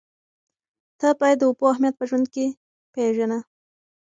ته باید د اوبو اهمیت په ژوند کې پېژنه.